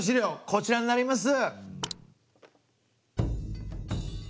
こちらになります。